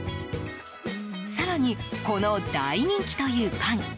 更に、この大人気というパン。